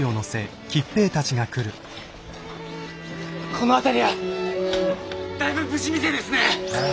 この辺りはだいぶ無事みてえですね！